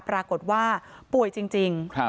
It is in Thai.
ปรากฏว่าป่วยจริง